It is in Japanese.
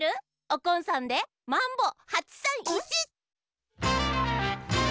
おこんさんで「マンボ８３１」！